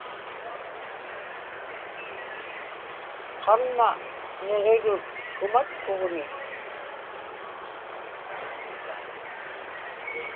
qaŋma niġirut Kumatkugni